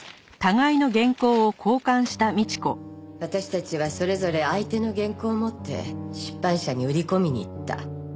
私たちはそれぞれ相手の原稿を持って出版社に売り込みに行った。